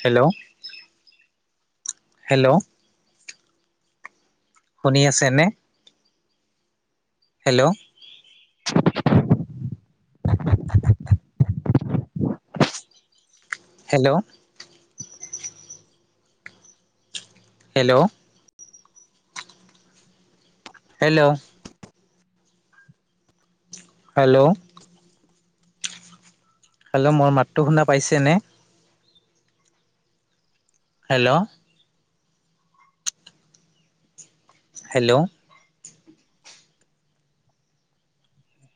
Hello hello শুনি আছে নে? Hello hello hello hello hello hello মোৰ মাতটো শুনা পাইছেনে হেল্লো' হেল্ল'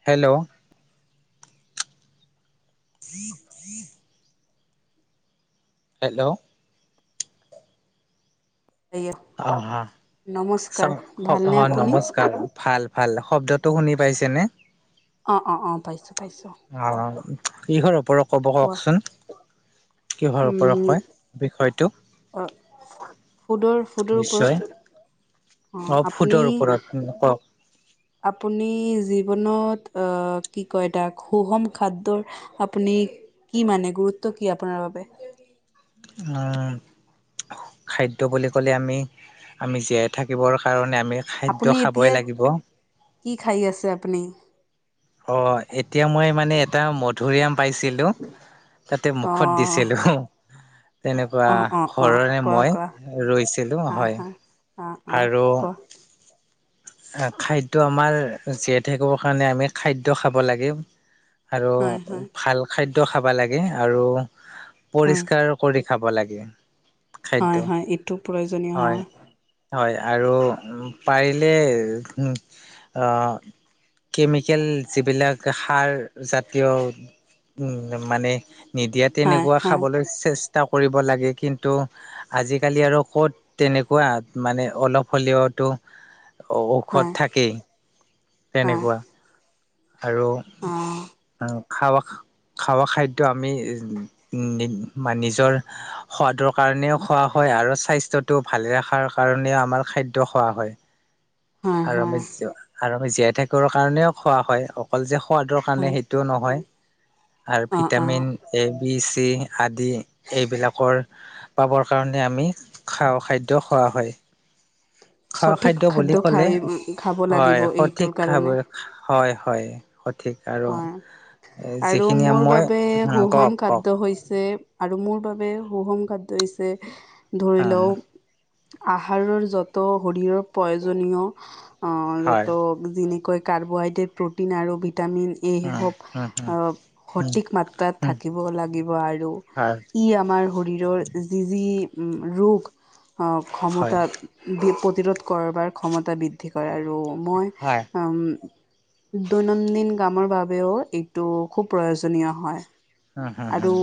হেল্ল' [unintelligible] হেল্ল' হেয়া অহা চ নমস্কাৰ ভালনে অ আপুনি? নমস্কাৰ ভাল ভাল শব্দত শুনি পাইছেনে অ অ অ পাইছো অ ইহৰ ওপৰত কব কোৱা কওকচোন কিহৰ ওপৰত উম কয় বিষয়টো। ফুডৰ ফুডৰ নিশ্চয় ওপৰত অ অ আপুনি ফুডৰ ওপৰত কওক আপুনি জীৱনত আহ কি কয় তাক সুষম খাদ্যৰ আপুনি কি মানে, গুৰুত্ব কি আপোনাৰ বাবে? আ খাদ্য বুলি কলে আমি, আমি জীয়াই থাকিবৰ কাৰণে আ মে' খাদ্য আপুনি খাবই এতিয়া লাগিব। কি খাই আছে আপুনি অ এতিয়া মই মানে এতিয়া মধুৰিআম পাইছিলোঁ তাতে অ মুখত দিছিলোঁ। তেনেকুৱা অ অ অ ঘৰৰে কোৱা মই কোৱা ৰৈছিলো হয়। অ অ আৰু ক? খাদ্য আমাৰ জীয়াই থাকিবৰ কাৰণে আমি খাদ্য খাব লাগে। আৰু হয় হয় ভাল খাদ্য খাবা লাগে আৰু হয় পৰিষ্কাৰ কৰি খাব লাগে। খাদ্য। হয় হয় এইটো প্ৰয়োজনীয় অ। হয় হয় আৰু পাৰিলে আ কেমিকেল যিবিলাক সাৰ জাতীয় মানে নিদিয়া হয় তেনেকুৱা হয় খাবলৈ চেষ্ট টা কৰিব লাগে কিন্তু আজিকালি আৰু ক'ত তেনেকুৱা মানে অলপ হলেও টো ঔষধ হয় থাকেই হয় হয় তেনেকুৱা। আৰু, অ উম খাব খা খাৱা খাদ্য আমি নিজৰ সোৱাদৰ কাৰণেও খোৱা হয়। আৰু স্বাস্থ্যটো ভালে ৰখাৰ কাৰণে আমাৰ খাদ্য খোৱা হয়। হয় আৰু হয় আমি আৰু আমি জীয়াই থাকিব কাৰণেও খোৱা হয়। অকল যে সোৱাদৰ কাৰণে হয় সেইটোও নহয়। আৰু অ' অ' ভিটামিন এ বি, চি আদি এইবিলাকৰ পাবৰ কাৰণে আমি খাওঁ খাদ্য খোৱাওঁ অ হয়। খোৱাৰ সঠিক খাদ্য বুলি খাই কলে, খাব লাগিব হয় এইটোৰ সঠিক খাব হয় হয় সঠিক আৰু অ আৰু যিখিনি মোৰ মই বাবে কওক সুষম কওক খাদ্য হৈছে আৰু মোৰ বাবে সুষম খাদ্য হৈছে ধৰি হম লও আহাৰৰ য'ত শৰীৰৰ প্ৰয়োজনীয়, অহ হয় য'ত যেনেকৈ কাৰ্বহাইড্ৰেট, প্ৰটিন আৰু ভি ভিটামিন এ হম হওক, হম হম আ হম সঠিক মাত্ৰাত হম থাকিব লাগিব আৰু। হয় ই আমাৰ শৰীৰৰ যি যি ৰোগ, অহ হয় ক্ষমতা বিপ বিৰোধ কৰাৰ ক্ষমতা বৃদ্ধি কৰা আৰু মই হয় উম দৈনন্দিন গামৰ বাবেও এইটো খুব প্ৰয়োজনীয় হয়। হম হম আৰু হম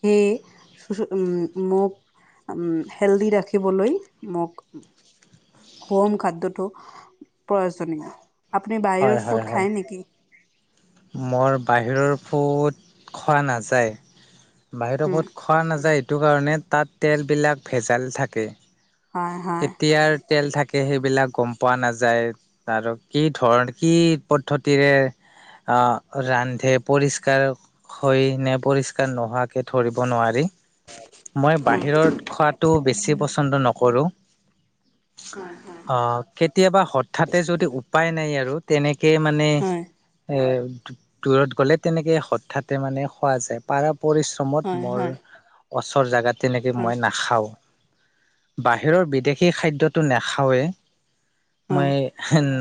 সেই উম ম উম হেলডি ৰাখিবলৈ মোক সুষম খাদ্যটো প্ৰয়োজনীয়, আপুনি হয় বাহিৰৰ হয় ফুড হয় খায় নেকি? মোৰ বাহিৰৰ ফুড খোৱা নাযায়। বাহিৰত উম, ফুড খোৱা নাযায় এইটো কাৰণে তাত তেলবিলাক ভেজাল থাকে। হয় হয়। কেতিয়াৰ তেল থাকে সেইবিলাক গম পোৱা নাযায় আৰু কি ধৰন কি পদ্ধতিৰে আ ৰান্ধে, পৰিষ্কাৰ হৈ নে পৰিষ্কাৰ নোহোৱাকে ধৰিব নোৱাৰি। মই উম। বাহিৰত খোৱাটো বেছি পছন্দ নকৰো। হয়, হয়। অ কেতিয়াবা হঠাতে যদি উপায় নাই আৰু তেনেক কে মানে হয়, এ দু দূৰত গলে তেনেকে হঠাতে মানে খোৱা যায়, পাৰা পৰিশ্ৰমত হয়, মোৰ হয়, ওচৰ জেগাত তেনেকে হয়, মই নাখাওঁ। বাহিৰৰ বিদেশী খাদ্যটো নাখাওঁৱে, হয়, মই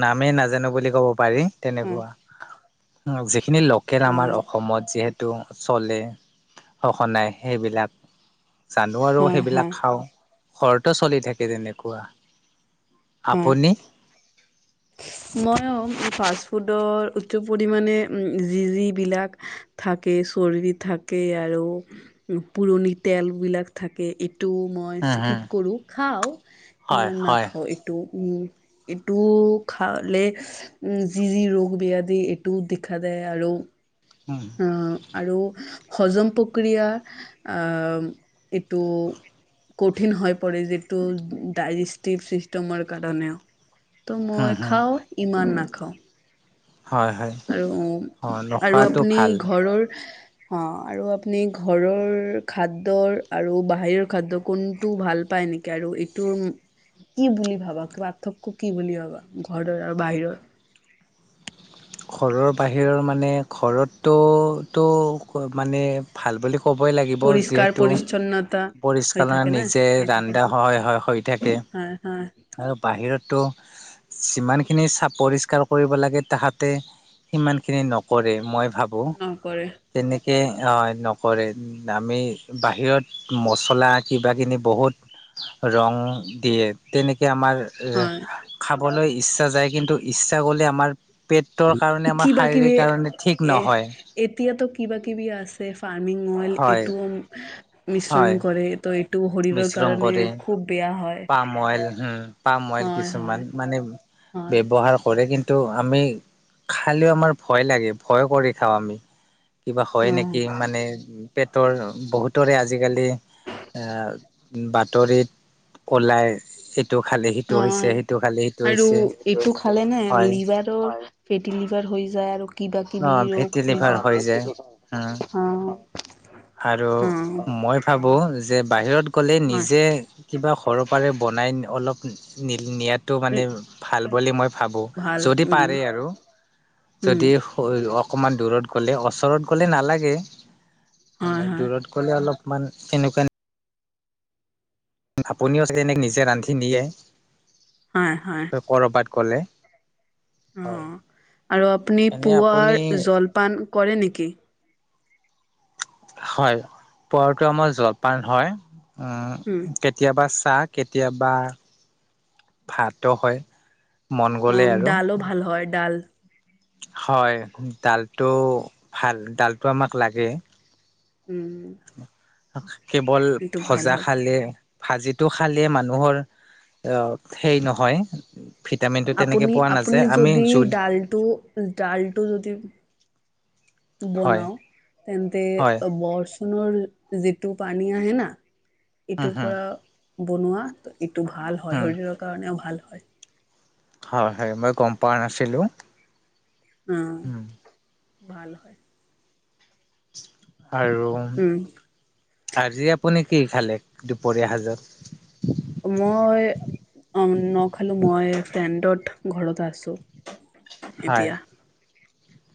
না আমি নাজানো বুলি ক'ব পাৰি, হয়, তেনেকুৱা। যে সেইখিনি লোকেল আমাৰ উম, অসমত যিহেতু টো চলে, সঘনাই সেইবিলাক জানো আৰু হয়, সেইবিলাক হয়, খাওঁ ঘৰতো চলি থাকে তেনেকুৱা। আপুনি। মইয়ো ফাষ্ট ফুডৰ উচ্চ পৰিমানে উ যি যি বিলাক থাকে। চৰ্দি থাকে আৰু পুৰণি তেল বিলাক থাকে। টো মই উম হুম স্কিপ কৰো খাওঁ হয় ইমান হয়। নাখাওঁ এইটো উম। এইটো। খালে উম যি যি ৰোগ ব্যাধি এইটোও দেখা যায় আৰু। উম। আহ, আৰু হজম প্ৰক্ৰিয়া আহ এইটো। কঠিন হৈ পৰে যিটো ডাইজেষ্টিভ চিষ্টেমৰ কাৰণেও। তো হুম মই হুম খাওঁ ইমান নাখাওঁ। হয় হয় আৰু অঁ আৰু নোখোৱাটো আপুনি ভাল। ঘৰৰ। অ আৰু আপুনি ঘৰৰ খাদ্য আৰু বাহিৰৰ খাদ্য কোনটো ভাল পায়। নেকি আৰু এইটো। কি বুলি ভাবা পাৰ্থক্য কি বুলি ভাবা ঘৰৰ আৰু বাহিৰৰ। ঘৰৰ বাহিৰৰ মানে ঘৰতটোতো মানে ভাল বুলি। ক'বই লাগিব পৰিষ্কাৰ যিহেতু। পৰিচ্ছন্নতা হৈ পৰিষ্কাৰ থাকে না নিজে ৰান্ধা সহায় হয় হৈ থাকে। হয় হয় আৰু বাহিৰতো যিমান খিনি চাপ পৰিষ্কাৰ কৰিব লাগে তাহাত। সিমানখিনি নকৰে মই ভাবোঁ নকৰে তেনে। নকৰে আমি বাহিৰত মচলা কিবা কিনি বহুত। ৰং দিয়ে তেনেকে। আমাৰ হয় খাবলৈ ইচ্ছা যায় কিন্তু ইচ্ছা কৰিলে আমাৰ। পেটৰ কাৰণে আমাৰ কিবা শাৰীৰিক কিবি কাৰণে ঠিক এ নহয় এতিয়াতো কিবা কিবি আছে। পানী মইল হয় এইটোও মিশ্ৰণ হয় কৰে ত। টো শৰীৰৰ মিশ্ৰণ কাৰণে কৰে খুব বেয়া। হয় পাম অইল হম পাম অইল হয় কিছুমান হয় মানে হয় ব্যৱহাৰ কৰে কিন্তু। টো আমি খালেও আমাৰ ভয় লাগে ভয় কৰি খাওঁ আমি। কিবা হয় নেকি অ মানে। পেটৰ বহুতৰে আজিকালি বাতৰিত। ক'লাই এত। অ আৰু এইটো খালে নে হয় লিভাৰৰ ফেঁটি লিভাৰ। হৈ যায় আৰু কিবা ন -কিবি ফেটি ৰোগ হৈ লিভাৰ যায় উম, যায়। আৰু অ মই ভাবো। যে বাহিৰত গ'লে নিজে হয় কিবা সৰহৰ পাৰে বনাই অলপ নিয়াত। টো মানে ভাল বুলি মই ভাবোঁ ভাল যদি উম পাৰে আৰু। উম যদি হয়। অকণমান দূৰত গ'লে ওচৰত গ'লে নালাগে হয় মানে হয় দূৰত গ'লে অলপ। মান তেনেকুৱান। আপুনিও চাগে নিজে ৰান্ধি নিয়ে। হয়, হয়। ক'লে। অ আৰু আপুনি এনে আপুনি পুৱাৰ জলপান কৰে নেকি? হয় পোৱাতো আমাৰ জলপান হয় উম কেতিয়াবা। চাহ কেতিয়াবা ভাতো হয়। মন অ গ'লে আৰু ডালো ভাল হয় ডাল হয় ডালটো ভাল ডালটো আমাক লাগে। উম। কেৱল এইটো ভাল ভজা হয়। খালে ভাজিটো খালে মানুহৰ অ সেই নহয়। ভিটামিনটো তেনেকে আপুনি পোৱা আপুনি নাযায় আমি যদি জোল ডালটো ডালটো যদি হয় বনাও তেন্তে হয় বৰচুণৰ। যিটো পানী আহে না উম এইটোৰ হম পৰা বনোৱা। ইটো ভাল হয় উম শৰীৰৰ কাৰণেও ভাল হয়। হয় হয় মই গম পাৱা নাছিলো। উম, ভাল হয় ৷ আৰু উম আজি আপুনি কি খালে দুপৰীয়া সাজত মই অ নখালো মই ফ্ৰেণ্ডত ঘৰত আছো। হয়, এতিয়া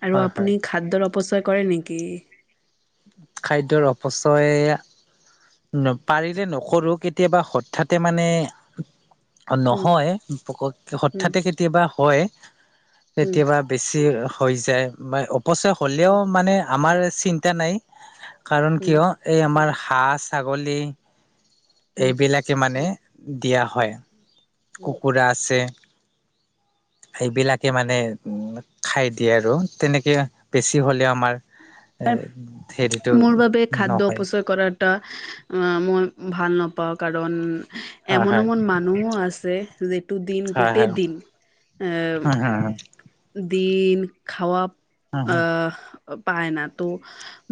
আৰু হয়, হয়। আপুনি খাদ্যৰ অপচয় কৰে নেকি? খাদ্যৰ অপচয় পাৰিলে নকৰো কেতিয়াবা হঠাতে মানে [unintelligible] উম নহয় উম হঠাতে কেতিয়াবা হয় উম কেতিয়াবা বেছি হৈ যায় বা অপচয় হলেও উম মানে আমাৰ চিন্তা নাই। কাৰণ উম কিয় এই আমাৰ হাঁহ ছাগলী উম এইবিলাকে মানে দিয়া হয় উম কুকুৰা আছে সেইবিলাকে মানে উ খাই দিয়ে আৰু তেনেকে বেছি হলেও আমাৰ এ হেৰিটো মোৰ বাবে খাদ্য নহয় অপচয় কৰাটা আহ মই ভাল নাপওঁ পা কাৰণ হয় এমন-এমন মানুহ আছে যিটো দিন হয় গোটেই হয় দিন আহ হয় হয় দিন খোৱা হয় হয় পায় না তো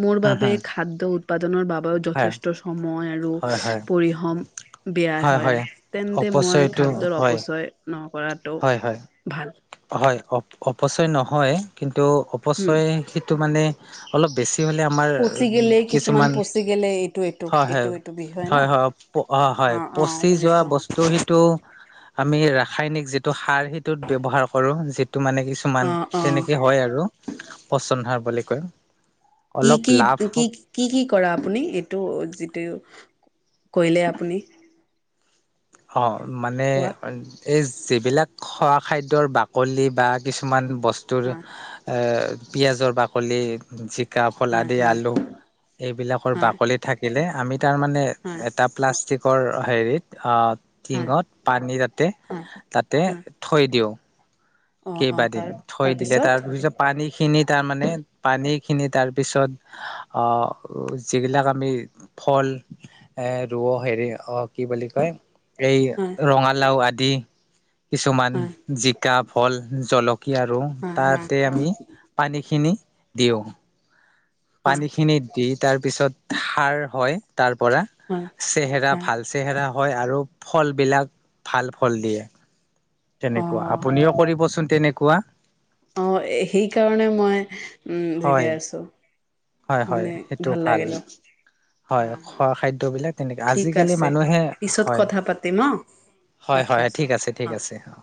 মোৰ হয় বাবে খাদ্য উৎপাদনৰ বাবেও হয় যথেষ্ট সময় আৰু হয় হয় পৰিশম বেয়া হয় তেন্তে মই অপচয়টো খাদ্যৰ হয় অপচয় কৰাটো হয় হয় ভাল। হয় অ অপচয় নহয় কিন্তু হম। অপচয় সেইটো মানে অলপ বেছি আমাৰ পচি গেলে কিছুমান পচি গেলে এইটো এইটো এইটো এইটো বিষ হয় না হয়-হয়-হয়-হয় অপ অ হয় অ পচি যোৱা বুজিছো। বস্তু সিটো আমি ৰাসায়নিক যিটো সাৰ সেইটোত ব্যৱহাৰ কৰোঁ যিট টো মানে কিছুমান অ অ তেনেকে হয় আৰু পচন সাৰ বুলি কয়। কি অলপ কি লাভ কি হওক। কি কি কৰা আপুনি এইটো যিটো কৈলে আপুনি [unintelligible] অ মানে কোৱা এই যিবিলাক খোৱা খাদ্যৰ বাকলি বা কিছুমান বস্তুৰ হয় পিয়াঁজৰ বাকলি জিকা ফল হয় আদি হয় আলু এইবিলাকৰ হয় বাকলি থাকিলে আমি তাৰ মানে হয় এটা প্লাষ্টিক হেৰিত অ হয় টিঙত পানী তাতে হয় তাতে হয় থৈ দিওঁ অ অ কেইবাদিন তাৰ থৈ দিলে তাৰপিছত তাৰ পিছত পানী খিনি তাৰমানে পানী খিনি তাৰপিছত অ যিবিলাক আমি ফল ৰোঁ অ হেৰি অ কি বুলি কয় এই হয় ৰঙালাও আদি কিছুমান হয় জিকা ভল জলক কি আৰু হয় হয় তাতে আমি পানীখিনি দিওঁ ৷ হয় পানী খিনি দি তাৰ পিছত সাৰ হয় তাৰ পৰা হয় চেহেৰা হয় ভাল চেহেৰা হয় আৰু ফল বিলাক ভাল ফল দিয়ে অ তেনেকুৱা আপুনিও কৰিবচোন তেনেকুৱা অ সেইকাৰণে মই জিগাই আছোঁ হয়-হয় সেইটো ভাল ৷ হয় খোৱা খাদ্যবিলাক তেনেকে, ঠিক আজিকালি আছে মানুহে পিছত হয় কথা পাতিম অ হয় ৰাখি হয় আছো ঠিক আছে ঠিক আছে অ।